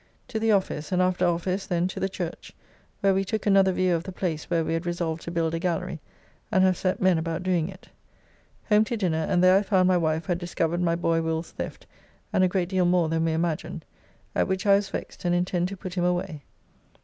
To the office, and after office then to the Church, where we took another view of the place where we had resolved to build a gallery, and have set men about doing it. Home to dinner, and there I found my wife had discovered my boy Will's theft and a great deal more than we imagined, at which I was vexed and intend to put him away.